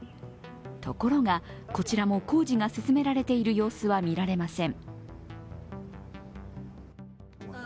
ところが、こちらも工事が進められている様子は見られません。